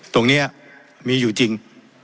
ตรงนี้มีอยู่จริง